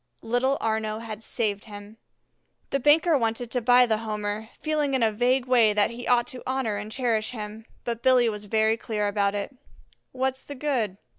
Little Arnaux had saved him. The banker wanted to buy the Homer, feeling in a vague way that he ought to honor and cherish him; but Billy was very clear about it. "What's the good?